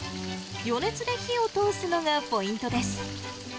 余熱で火を通すのがポイントです。